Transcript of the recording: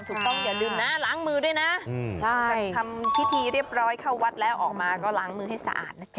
อย่าลืมนะล้างมือด้วยนะหลังจากทำพิธีเรียบร้อยเข้าวัดแล้วออกมาก็ล้างมือให้สะอาดนะจ๊